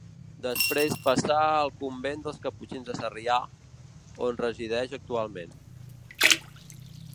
Després passà al convent dels Caputxins de Sarrià, on resideix actualment.